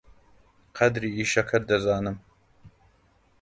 قەدری ئیشەکەت دەزانم.